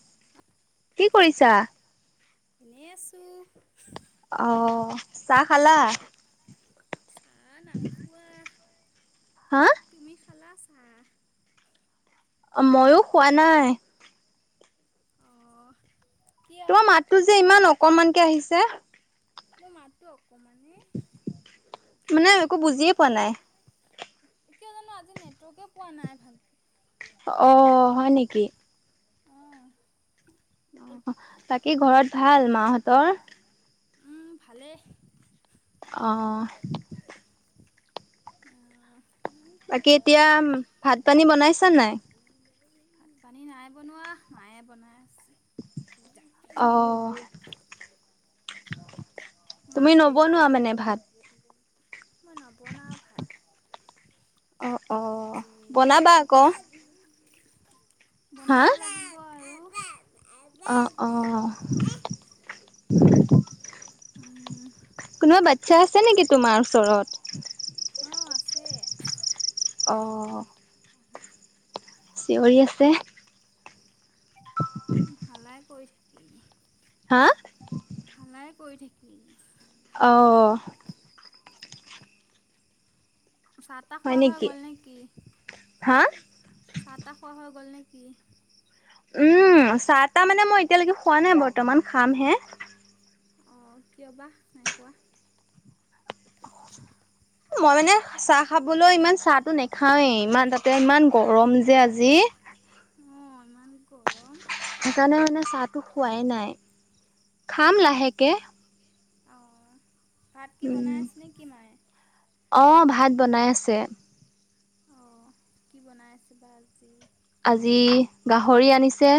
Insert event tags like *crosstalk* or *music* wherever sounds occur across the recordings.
*inaudible* কি কৰিছা? এনেই আছোঁ। অঁ, চাহ খালা? চাহ নাই খোৱা, হা? তুমি খালা চাহ? মইও খোৱা নাই। অ'। তোমাৰ মাতটো যে ইমান অকনমানকে আহিছে। মোৰ মাতটো অকণমানে মানে একো বুজিয়ে পোৱা নাই। কিয় জানো আজি নেটৱৰ্কে পোৱা নাই ভাল। অ', হয় নেকি? অ'। বাকী ঘৰত ভাল মাহঁতৰ? উম, ভালেই। অ'। অ'। বাকী এতিয়া ভাত-পানী বনাইছা নে নাই? ভাত-পানী নাই বনোৱা, মায়ে বনাই আছে। অ'। মা তুমি ক'ত গ'ল? নবনোৱা মানে, ভাত? মই নবনাওঁ ভাত। অ', অ', বনাবা আকৌ। *unintelligible* হা? বনাব লাগিব আৰু। অ', অ'। উম। কোনোবা বাচ্ছা আছে নেকি তোমাৰ ওচৰত? অ', আছে। অ'। চিঞৰি আছে। হাল্লাই কৰি থাকে ই। হা? হাল্লাই কৰি থাকে ই। অ'। চাহ-তাহ খোৱা হৈ গ'ল নেকি? হা চাহ-তাহ খোৱা হৈ গ'ল নেকি? উম, চাহ-তাহ মানে মই এতিয়ালৈকে খোৱা নাই বৰ্তমান, খাম হে। অ' কিয় বা নাই খোৱা? *inaudible* মই মানে চাহ খাবলৈ ইমান চাহটো নাখাওঁৱেই, ইমান তাতে ইমান গৰম যে আজি। অ', ইমান গৰম। সেইকাৰণে মানে চাহটো খোৱাই নাই, খাম লাহেকৈ। অ', ভাত কি বনাই উম আছে নেকি মায়ে? অ', ভাত বনাই আছে। অ', কি বনাই আছে বা আজি? আজি গাহৰি আনিছে।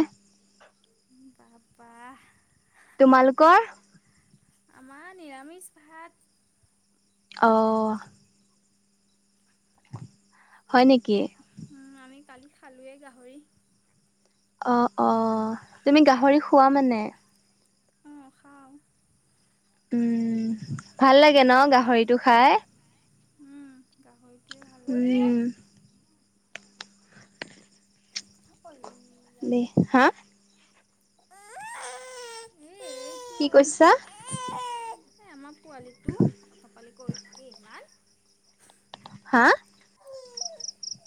উম, বা, বা। তোমালোকৰ? আমাৰ নিৰামিষ ভাত। অ'। হয় নেকি? উম, আমি কালি খালোঁৱেই গাহৰি। অ, অ, তুমি গাহৰি খোৱা মানে? উম খাও। উম, ভাল লাগে ন গাহৰিটো খাই। উম, গাহৰিটোৱে ভাল লাগে। উম *unintelligible* দে হা? কি কৈছা? সে আমাৰ পোৱালিটো, অথপালি কৰি থাকে ইমান। হা?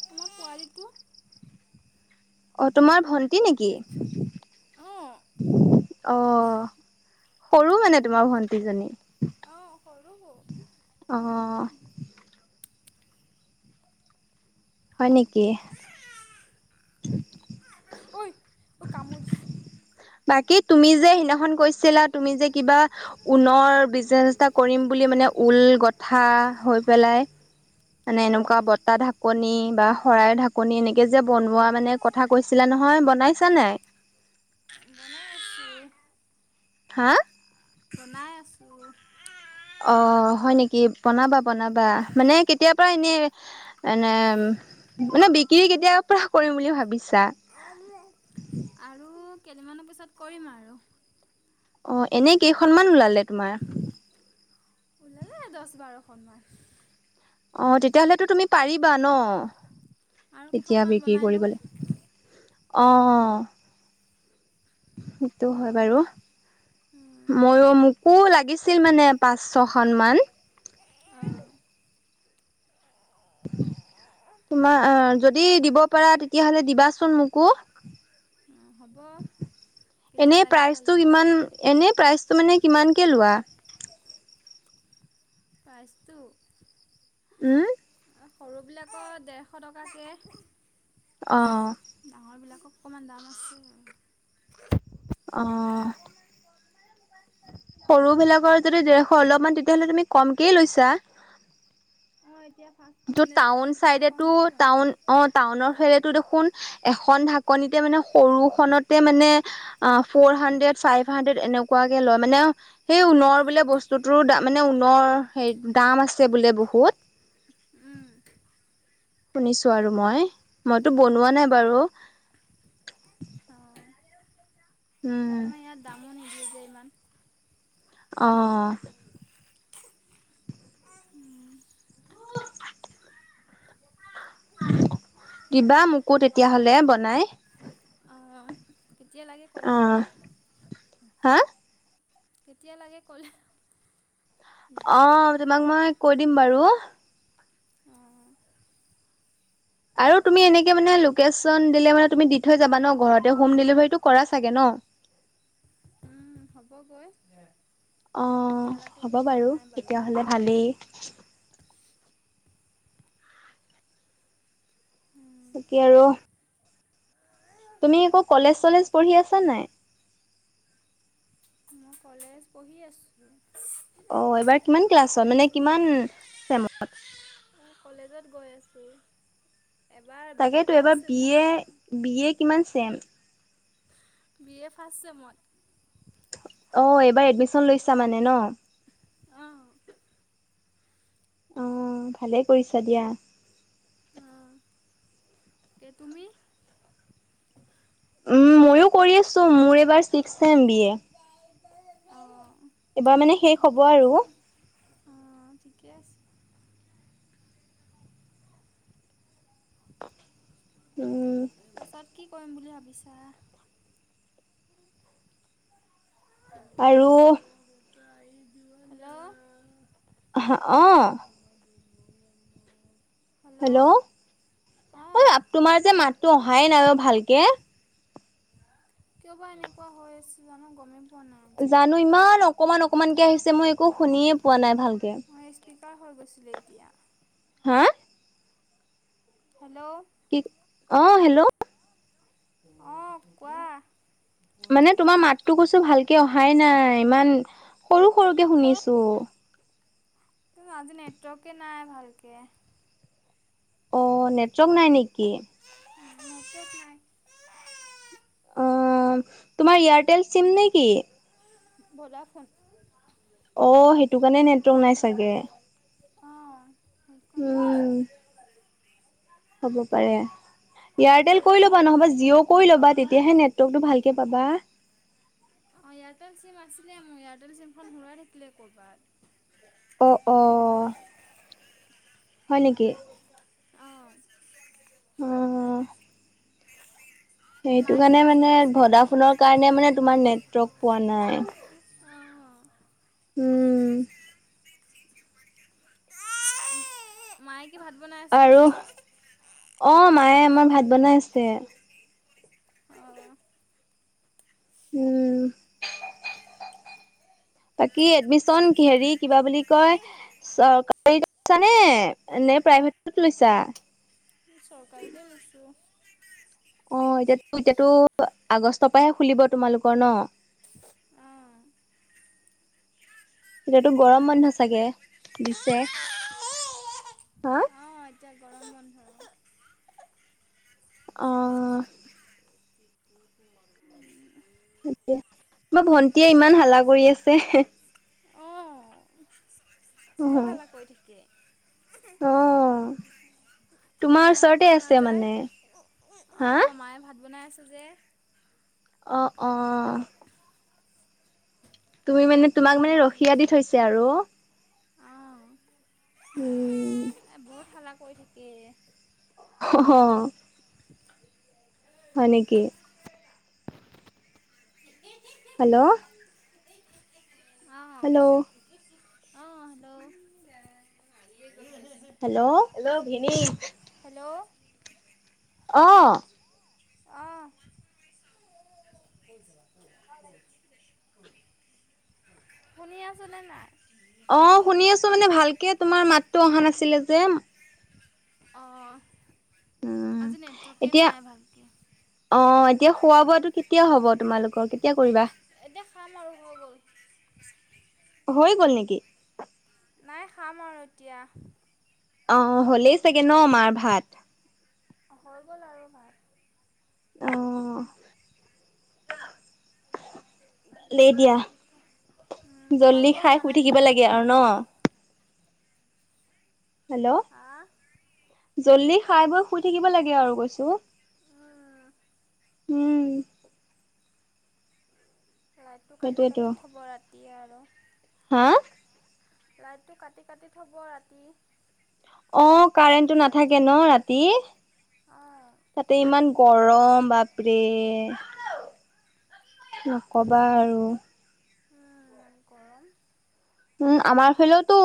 আমাৰ পোৱালিটো। অঁ, তোমাৰ ভন্তি নেকি? অঁ অহ, সৰু মানে তোমাৰ ভন্টিজনী? অঁ সৰু অ বহুত *unintelligible* হয় নেকি। ঐ, ঐ কামুৰি দিছে। বাকী তুমি যে সেইদিনাখন কৈছিলা তুমি যে কিবা ঊনৰ বিজনেচ এটা কৰিম বুলি মানে ঊল গঠা হৈ পেলাই মানে এনেকুৱা অঁ বতাহ ঢাকনি বা শৰাইৰ ঢাকনি এনেকে যে বনোৱা মানে কথা কৈছিলা নহয় বনাইছা নে নাই? বনাই আছো। হা? বনাই আছো। অ হয় নেকি, বনাবা -বনাবা মানে কেতিয়াৰ পৰা এনে এনে, মানে বিক্ৰী কেতিয়াৰ পৰা কৰিম বুলি ভাবিছা? *unintelligible* আৰু কেইদিনমানৰ পিছত কৰিম আৰু। অ, এনে কেইখনমান ওলালে তোমাৰ? এ দহ বাৰখনমান। অ, তেতিয়াহ'লেতো তুমি পাৰিবা ন? আৰু এতিয়া কেইখনমান বিক্ৰী বনাই লওঁ কৰিবলে, অ সেইটো অঁ হয় বাৰু। মইয়ো, মোকো লাগিছিল মানে পাঁচ ছয়খনমান। অঁ *inaudible* তোমাৰ আ, যদি দিব পাৰা তেতিয়াহ'লে দিবাচোন মোকো। অঁ হ'ব এনে কেতিয়া লাগে ক'লে প্ৰাইচটো হ'ল কিমান? এনেই প্ৰাইচটো মানে কিমানকে লোৱা? প্ৰাইচটো? হুম। সৰুবিলাকৰ ডেৰশ টকাকে অহ। ডাঙৰবিলাকৰ অকণমান দাম আছে অ। সৰুবিলাকৰ যদি ডেৰশ অলপমান তেতিয়াহ'লে তুমি কমকেই লৈছা। অ', এতিয়া ফাষ্ট যত টাউন চাইডেটো টাউন অ', টাউনৰ ফেলেতো দেখোন এখন ঢাকনিতে মানে, সৰুখনতে মানে আহ ফৰ হানড্ৰেড, ফাইভ হাড্ৰেড এনেকুৱাকে লয় মানে সেই ঊণৰ বোলে বস্তুতোৰো দা মানে ঊণনৰ হে দাম আছে বোলে বহুত। শুনিছো আৰু মই, মইতো অঁ বনোৱা নাই বাৰু। অঁ উম। আমাৰ ইয়াত দামো *unintelligible* ইমান। অ'। দিবা মোকো তেতিয়া হ'লে বনাই। অঁ কেতিয়া লাগে অ ক'লে হ'ল। হা কেতিয়া লাগে ক'লে অ', তোমাক মই কৈ দিম বাৰু। অঁ আৰু তুমি এনেকে মানে লোকেশ্যন দিলে মানে তুমি দি থৈ যাবা ন' ঘৰতে? হোম ডেলিভাৰীটো কৰা চাগে নহ? উম, হ'বগৈ। অ', এতিয়ালৈকেতো হ'ব কৰা বাৰু, নাই তেতিয়া হ'লে ভালেই। বাৰু তাকে আৰু তুমি একৌ কলেজ-চলেজ পঢ়ি আছা নাই? মই কলেজ পঢ়ি আছোঁ। অ', এইবাৰ কিমান ক্লাছত? মানে কিমান চেমত? মই কলেজত গৈ আছোঁ। এবাৰ বি এ তাকেতো ফাৰ্ষ্ট এইবাৰ sem B A, B A কিমান চেম? বি এ ফাষ্ট চেমত। অ', এইবাৰ এডমিশ্যন লৈছা মানে নহ? উম। অ', ভালেই কৰিছা দিয়া। অঁ কে তুমি? উম, মইও কৰি আছো, মোৰ এইবাৰ ছিক্স চেম বি এ। অ'। এইবাৰ মানে শেষ হ'ব আৰু। উম, ঠিকে আছে। উম। তাৰপাছত কি কৰিম বুলি ভাবিছা? আৰু হেল্ল'! *unintelligible* হা? অ'। হেল্ল'! অ', অঁ তোমাৰ যে মাতটো অহাই নাই *unintelligible* ভালকে। কিয় বা এনেকুৱা হৈ আছে জানো গমেই পোৱা নাই আজি জানো ইমান অকমান অকমানকে আহিছে, অ মই একো শুনিয়ে পোৱা নাই ভালকে। মই স্পীকাৰ গৈছিলে এৰিয়া। হা? হেল্ল'! কি? অ', হেল্ল'! অ', কোৱা? মানে তোমাৰ মাততো কৈছো ভালকে অহাই নাই, ইমান সৰু-সৰুকে শুনিছো। *unintelligible* আজি নেটৱৰ্কে নাই ভালকে। অ', নেটৱৰ্ক নাই নেকি? *unintelligible* অ', তোমাৰ এয়াৰটেল চিম নে কি? ভডা ফোন। অ', সেইটো কাৰণে নেটৱৰ্ক নাই চাগে। অ', কৰণে নাই উম চাগে। হ'ব পাৰে, এয়াৰটেল কৰি অ', ল'বা, নহবা জিঅ' কৰি ল'বা তেতিয়াহে নেটৱৰ্কটো ভালকৈ পাবা। অঁ, এয়াৰটেল চিম আছিলে মোৰ, এয়াৰটেল চিমখন হৰুৱাই থাকিলে ক'ৰবাত। অ', অঁ'। হয় নেকি? আহ। অ' *inaudible* সেইটো মায়ে কি কাৰণে ভাত মানে বনাইছে নে ভদা কি? ফোনৰ কাৰণে মানে তোমাৰ নেটৱৰ্ক পোৱা নাই। অ'। উম। মায়ে কি ভাত বনাই আছে নে আৰু কি? অ', মায়ে আমাৰ ভাত বনাই আছে। অ'। উম। বাকী এডমিশ্যন হেৰি কিবা বুলি কয় চৰকাৰীত লৈছা নে, নে প্ৰাইভেটত লৈছা? চৰকাৰীতে লৈছোঁ। অ', এতিয়াতো এতিয়াতো আগষ্টৰপাহে খুলিব তোমালোকৰ ন? অ'। এতিয়াতো গৰম বন্ধ চাগে দিছে? হা'। অ', এতিয়া বন্ধ। অঁ। মা ভন্টিয়ে ইমান হাল্লা কৰি আছে। অঁ, বৰ হাল্লা কৰি থাকে। অঁ। মাৰ লগত নাযায়, হা অঁ মায়ে ভাত বনাই আছে যে। অ', অ'। তুমি মানে সেইটো তোমাক কাৰণে মানে মই ৰখিয়া দি লৈছোঁ। থৈছে আৰু। উম। এ বহুত হাল্লা কৰি থাকে এই। অ'। হয় নেকি? হেল্ল'? হেল্ল' অঁ', অঁ'হেল্ল'? হেল্ল'? হেল্ল' ভিনী? হেল্ল'? অ'। অ'। শুনি আছনে নাই? তটো অহা নাছিলে যে। অঁ, উম আজি নেটৱৰ্কে এতিয়া নাই ভালকে। অ', এতিয়া খোৱা বোৱাটো কেতিয়া হ'ব তোমালোকৰ কেতিয়া কৰিবা? এতিয়া খাম আৰু হৈ গ'ল। হৈ গ'ল নেকি? নাই খাম আৰু এতিয়া। অ হ'লেই চাগে ন মাৰ ভাত? হৈ গ'ল আৰু ভাত। অ। লেই দিয়া, উম, জল্দি তোমালোকৰ খাই হোৱা শুই নাই থাকিব নেকি লাগে আৰু ভাত? ন? হেল্ল'। হা? জলদি খাই বৈ শুই থাকিব লাগে আৰু কৈছো। উম উম। লাইটটো কাটি সেইটোয়েতো কাটি থ'ব ৰাতি আৰু। হা লাইটটো কাটি কাটি থব ৰাতি। অ ইমান কাৰেণ্টটো লাইট নাথাকে যায় ন ৰাতি? অঁ তাতে ইমান গৰম বাপৰে। নক'বা আৰু। অ ইমান গৰম। উম আমাৰ ফালওতো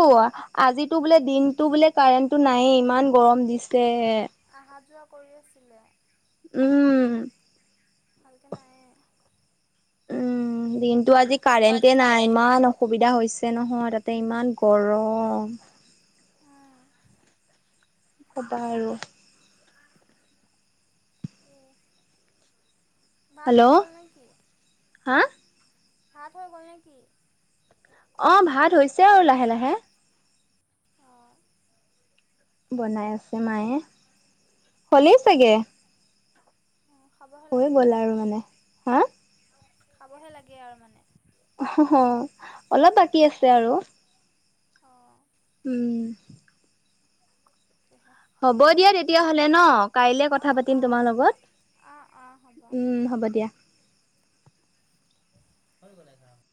আজিটো বোলে দিনটো বোলে কাৰেণ্টটো নায়ে ইমান গৰম দিছে। অহা যোৱা কৰি আছিলে। উম। ভালকে নায়ে। উম দিনটো আজি আজি কাৰেণ্টে নাই কাৰেণ্ট ইমান অসুবিধা হৈছে নহয় তাতে ইমান গৰম। উম। শুৱা আৰু। উ, ভাত হৈ হেল্ল' গ'ল নে কি? হা? ভাত হৈ গ'ল নেকি? অ ভাত হৈছে আৰু লাহে লাহে। অ। বনাই আছে মায়ে, হ'লেই অঁ চাগে! খাবহে হৈ লাগে গ'ল মানে আৰু হা খাবহে লাগে আৰু মানে। অলপ বাকী আছে আৰু অ' উম *unintelligible* হ'ব দিয়া, তেতিয়াহ'লে ন'। কাইলে কথা অঁ পাতিম অঁ তোমাৰ লগত। অঁ অঁ হ'ব উম, হ'ব দিয়া। হৈ গ'ল এঘাৰ।